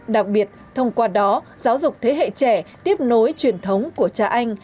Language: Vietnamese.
đặc biệt thông qua đó giáo dục thế hệ trẻ tiếp nối truyền thống của cha anh